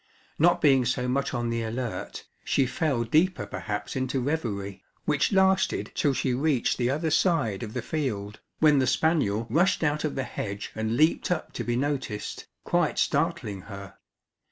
Not being so much on the alert, she fell deeper perhaps into reverie, which lasted till she reached the other side of the field, when the spaniel rushed out of the hedge and leaped up to be noticed, quite startling her.